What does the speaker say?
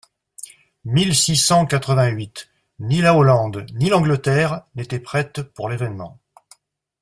mille six cent quatre-vingt-huit Ni la Hollande, ni l'Angleterre, n'étaient prêtes pour l'événement.